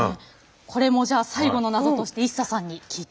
これもじゃあ最後のナゾとしてＩＳＳＡさんに聞いてみましょう！